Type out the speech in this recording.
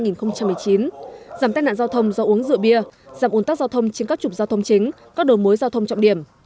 giảm tai nạn giao thông do uống rượu bia giảm ồn tắc giao thông trên các trục giao thông chính các đồ mối giao thông trọng điểm